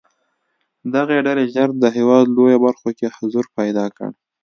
دغې ډلې ژر د هېواد لویو برخو کې حضور پیدا کړ.